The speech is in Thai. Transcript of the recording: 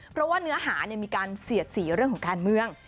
เพราะว่าเนื้อหามีการเสียดสีเรื่องของการเมือง